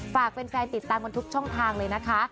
ฝากแฟนติดตามกันทุกช่องทางเลยนะคะ